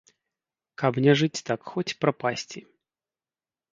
Каб не жыць так, хоць прапасці.